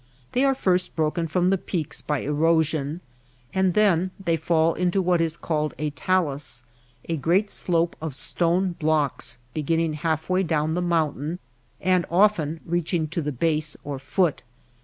They are first broken from the peaks by erosion, and then they fall into what is called a talus — a great slope of stone blocks beginning half way down the mountain and often reaching to the base or foot.